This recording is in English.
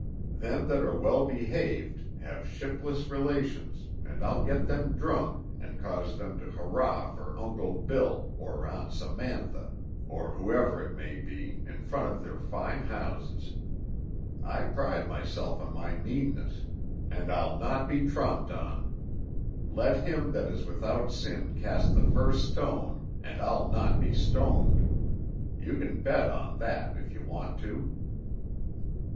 Them that are well behaved have shiftless relations, and I'll get them drunk, and cause them to hurrah for 'Uncle Bill,' or 'Aunt Samantha,' or whoever it may be, in front of their fine houses. I pride myself on my meanness, and I'll not be tromped on. Let him that is without sin cast the first stone, and I'll not be stoned. You can bet on that, if you want to."